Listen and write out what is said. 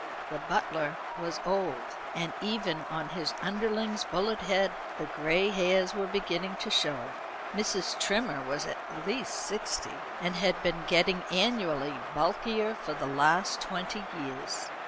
The butler was old, and even on his underling's bullet head the gray hairs were beginning to show. Mrs. Trimmer was at least sixty, and had been getting annually bulkier for the last twenty years.